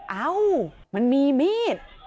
เอ้ามันมีมีด